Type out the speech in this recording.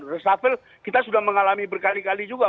resafel kita sudah mengalami berkali kali juga